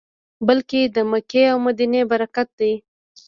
بلکې د مکې او مدینې برکت دی.